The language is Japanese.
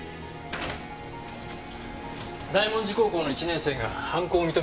大文字高校の１年生が犯行を認めたそうです。